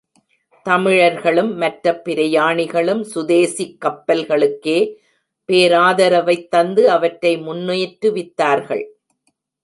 தமிழர்களும் மற்ற பிரயாணிகளும் சுதேசிக் கப்பல்களுக்கே பேராதரவைத் தந்து அவற்றை முன்னேற்றுவித்தார்கள்.